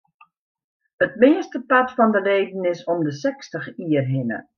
It meastepart fan de leden is om de sechstich jier hinne.